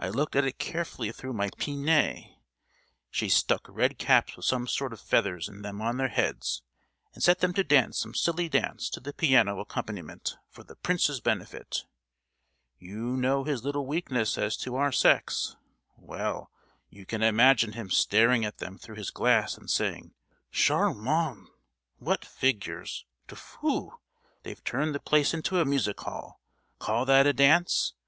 I looked at it carefully through my pince nez! She's stuck red caps with some sort of feathers in them on their heads, and set them to dance some silly dance to the piano accompaniment for the prince's benefit! You know his little weakness as to our sex,—well, you can imagine him staring at them through his glass and saying, 'Charmant!—What figures!' Tfu! They've turned the place into a music hall! Call that a dance!